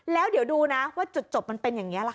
แล้วเดี๋ยวดูนะว่าจุดจบมันเป็นอย่างนี้ล่ะค